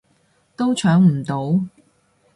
都搶唔到